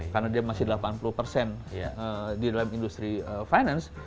karena dia masih delapan puluh di dalam industri finance